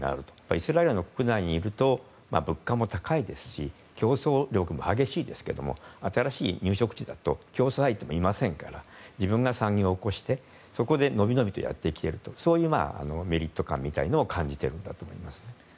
イスラエル国内にいると物価も高いですし競争力も激しいですけれど新しい入植地だと競争相手もいませんから自分が産業を興してそこでのびのびやっていけるとそういうメリット感みたいなものを感じているんだと思います。